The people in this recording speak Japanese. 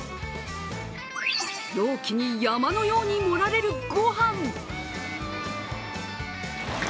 容器に山のように盛られるご飯。